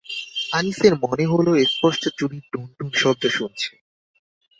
আনিসের মনে হলো স্পষ্ট চুড়ির টুনটুন শব্দ শুনছে।